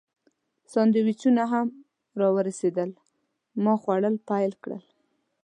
سانډویچونه هم راورسېدل، ما خوړل پیل کړل.